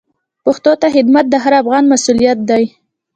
پښتو ته خدمت د هر افغان مسوولیت دی.